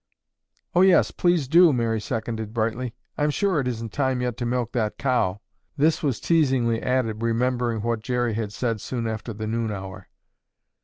"Oh, yes, please do," Mary seconded brightly. "I'm sure it isn't time yet to milk that cow." This was teasingly added, remembering what Jerry had said soon after the noon hour.